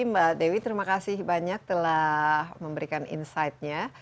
mbak dewi terima kasih banyak telah memberikan insightnya